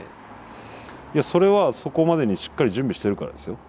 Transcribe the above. それはそこまでにしっかり準備しているからですよ。